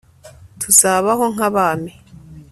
tuzabaho nk'abami